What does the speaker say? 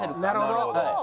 なるほど。